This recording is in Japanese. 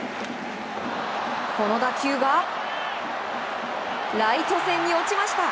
この打球がライト線に落ちました。